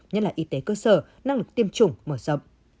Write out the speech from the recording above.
nhất là y tế cơ sở năng lực tiêm chủng mở rộng